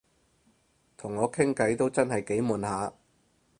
同我傾偈都真係幾悶下